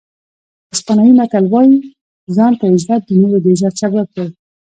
اسپانوي متل وایي ځان ته عزت د نورو د عزت سبب دی.